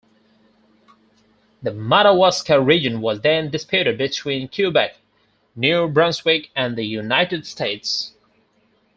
The Madawaska region was then disputed between Quebec, New Brunswick and the United States.